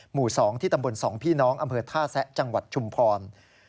หมู่๒ที่ตำบล๒พี่น้องอำเภอท่าแซะจังหวัดชุมพร